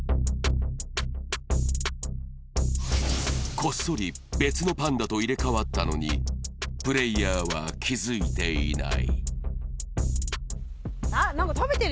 こっそり別のパンダと入れ代わったのにプレーヤーは気付いていない。